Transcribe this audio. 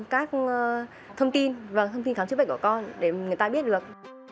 các thông tin và thông tin khám chức bệnh của con để người ta biết được